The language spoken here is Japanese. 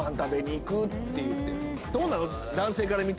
どうなの？